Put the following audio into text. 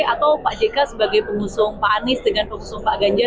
atau pak jk sebagai pengusung pak anies dengan pengusung pak ganjar